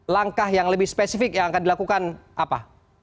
langkah yang lebih spesifik yang akan dilakukan apa